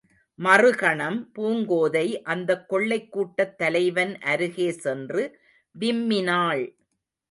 மறுகணம், பூங்கோதை அந்தக் கொள்ளைக் கூட்டத் தலைவன் அருகே சென்று விம்மினாள்.